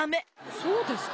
そうですか？